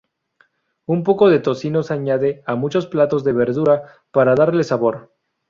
Un poco de tocino se añade a muchos platos de verdura para darles sabor.